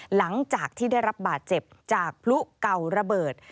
หลังจากที่ได้รับบาดเจ็บจากพลุเก่าระเบิด